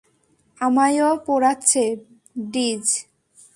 আমায়ও পোড়াচ্ছে, ডিজ।